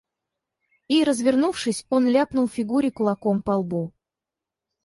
И, развернувшись, он ляпнул Фигуре кулаком по лбу.